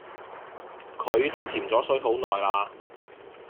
佢都潛左水好耐啦